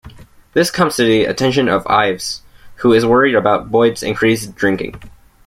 This comes to the attention of Ives, who is worried about Boyd's increased drinking.